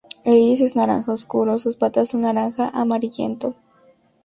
El iris es naranja oscuro, sus patas son naranja-amarillento.